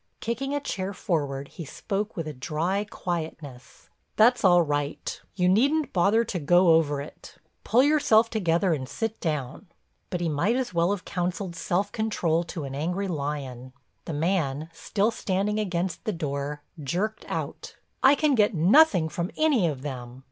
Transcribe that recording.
Kicking a chair forward he spoke with a dry quietness: "That's all right—you needn't bother to go over it. Pull yourself together and sit down." But he might as well have counseled self control to an angry lion. The man, still standing against the door, jerked out: "I can get nothing from any of them.